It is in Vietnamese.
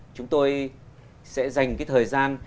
chúng tôi sẽ dành cái thời gian